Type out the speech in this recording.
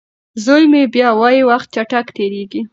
زوی مې بیا وايي وخت چټک تېریږي.